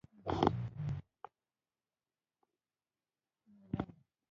زما ټلیفون نېټ نه لري .